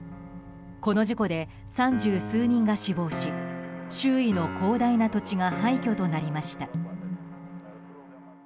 この事故で、三十数人が死亡し周囲の広大な土地が廃虚となりました。